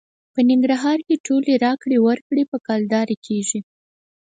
په ننګرهار کې ټولې راکړې ورکړې په کلدارې کېږي.